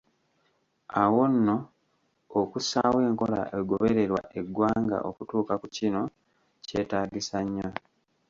Awo nno, okussaawo enkola egobererwa eggwanga okutuuka ku kino, kyetaagisa nnyo.